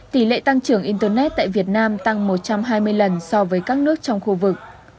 tỷ lệ tăng trưởng internet tại việt nam tăng một trăm hai mươi lần so với các nước trong khu vực